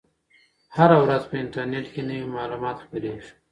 هره ورځ په انټرنیټ کې نوي معلومات خپریږي.